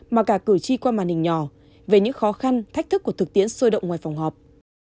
mà cả cử tri qua màn hình nhỏ về những khó khăn thách thức của thực tiễn sôi động ngoài phòng họp